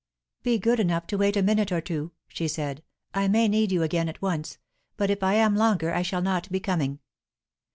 "Be good enough to wait a minute or two," she said. "I may need you again at once. But if I am longer, I shall not be coming."